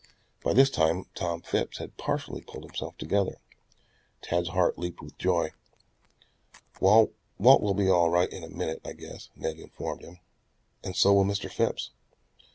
By this time Tom Phipps had partially pulled himself together. Tad's heart leaped with joy. "Walt will be all right in a minute, I guess," Ned informed him. "And so will Mr. Phipps."